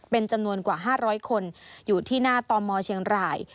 เป็นจำนวนกว่า๕๐๐คนอยู่ที่หน้าตมเชียงราย